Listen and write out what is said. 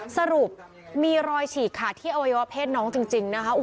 สรุปมีรอยฉีกขาดที่อวัยวะเพศน้องจริงนะคะ